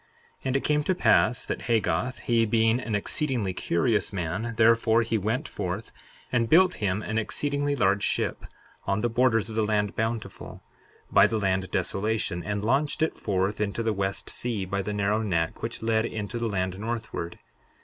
63:5 And it came to pass that Hagoth, he being an exceedingly curious man, therefore he went forth and built him an exceedingly large ship, on the borders of the land Bountiful, by the land Desolation, and launched it forth into the west sea, by the narrow neck which led into the land northward.